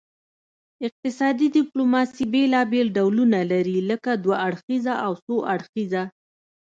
اقتصادي ډیپلوماسي بیلابیل ډولونه لري لکه دوه اړخیزه او څو اړخیزه